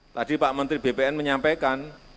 tadi pak menteri bpn menyampaikan